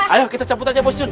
ayo kita cabut aja bos dun